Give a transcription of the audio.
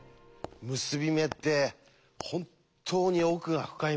結び目って本当に奥が深いものです。